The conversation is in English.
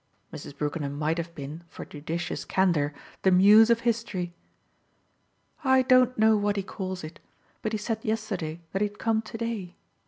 Mrs. Brookenham might have been, for judicious candour, the Muse of History. "I don't know what he calls it; but he said yesterday that he'd come today.